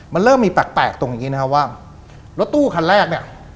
มันเริ่มมีแปลกตรงนี้ว่ารถตู้คันแรก